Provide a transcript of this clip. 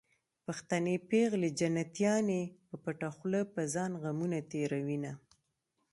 پښتنې پېغلې جنتيانې په پټه خوله په ځان غمونه تېروينه